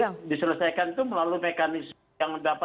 kalau diselesaikan itu melalui mekanisme yang dapat dipertanggung jawabkan ya